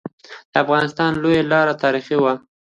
د افغانستان لويي لاري تاریخي وي.